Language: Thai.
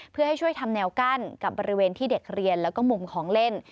เพื่อให้ช่วยทำแนวกั้นกับบริเวณที่เด็กเรียนแล้วก็มุมของเล่น